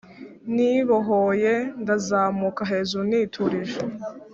ndibohoye, ndazamuka hejuru niturije